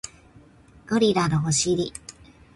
ゴリラのお尻